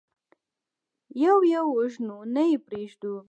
يو يو وژنو، نه يې پرېږدو.